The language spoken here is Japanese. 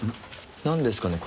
なんですかね？